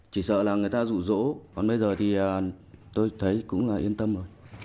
chỉ sợ là người ta rụ rỗ còn bây giờ thì tôi thấy cũng là yên tâm rồi